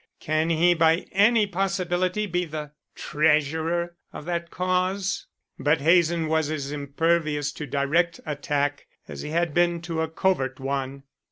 Can he by any possibility be the treasurer of that Cause?" But Hazen was as impervious to direct attack as he had been to a covert one.